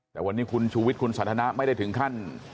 แต่วันนี้คุณชูวิทย์คุณสันทนะไม่ได้ถึงขั้น